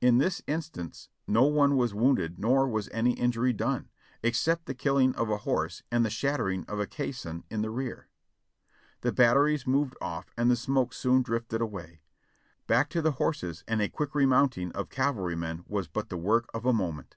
In this instance no one was wounded nor was any injury done, except the killing of a horse and the shattering of a caisson in the rear. The batteries moved off and the smoke soon drifted away. Back to the horses and a quick remounting of cavalrymen was but the work of a moment.